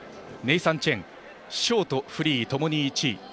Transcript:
ネイサン・チェンショート、フリーともに１位。